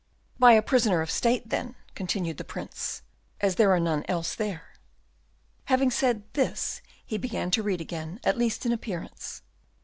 "By a prisoner of state, then," continued the Prince, "as there are none else there." Having said this he began to read again, at least in appearance.